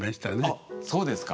あっそうですか。